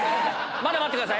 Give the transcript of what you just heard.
まだ待ってください